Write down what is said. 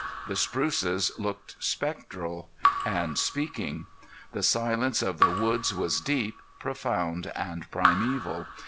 The spruces looked spectral and speaking. The silence of the woods was deep, profound, and primeval.